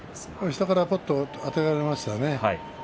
下から、ぱっとあてがわれましたね。